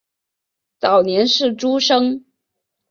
早年是诸生。